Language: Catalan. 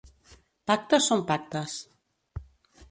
Pactes són pactes.